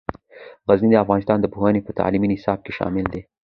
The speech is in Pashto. غزني د افغانستان د پوهنې په تعلیمي نصاب کې شامل دی.